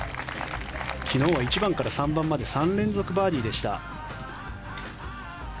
昨日は１番から３番まで３連続バーディーでした。